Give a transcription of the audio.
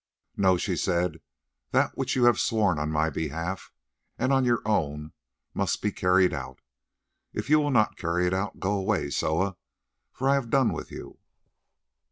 "'No,' she said, 'that which you have sworn on my behalf and your own must be carried out. If you will not carry it out, go away, Soa, for I have done with you.